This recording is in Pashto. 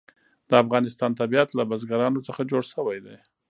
د افغانستان طبیعت له بزګانو څخه جوړ شوی دی.